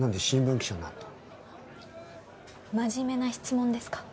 真面目な質問ですか？